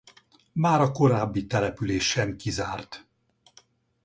Bár a korábbi település sem kizárt.